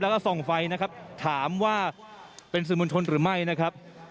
แล้วก็ส่องไฟนะครับถามว่าเป็นสื่อมวลชนหรือไม่นะครับ